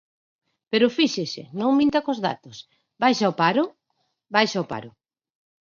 Pero fíxese, non minta cos datos: ¿baixa o paro?, baixa o paro.